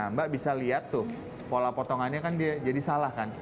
mbak bisa lihat tuh pola potongannya kan dia jadi salah kan